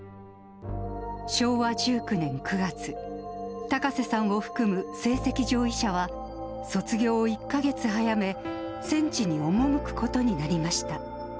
昭和１９年９月、高瀬さんを含む成績上位者は、卒業を１か月早め、戦地に赴くことになりました。